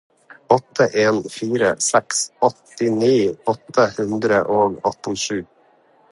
åtte en fire seks åttini åtte hundre og åttisju